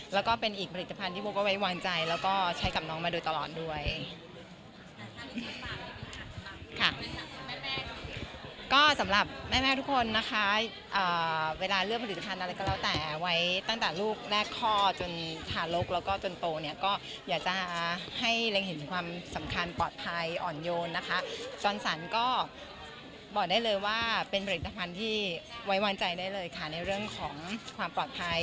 แล้วก็เป็นอีกผลิตภัณฑ์ที่พวกเราไว้วางใจก็ใช้กับน้องมาโดยตลอด